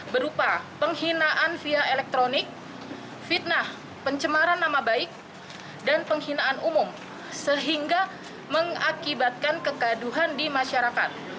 berupa penghinaan via elektronik fitnah pencemaran nama baik dan penghinaan umum sehingga mengakibatkan kegaduhan di masyarakat